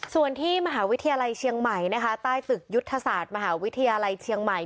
ส่วนที่มหาวิทยาลัยเชียงใหม่นะคะใต้ตึกยุทธศาสตร์มหาวิทยาลัยเชียงใหม่